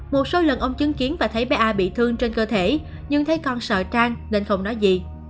một số lần ông chứng kiến và thấy bé a bị thương trên cơ thể nhưng thấy con sợ trang nên không nói gì